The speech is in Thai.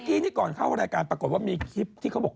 ีนี่ก่อนเข้ารายการปรากฏว่ามีคลิปที่เขาบอก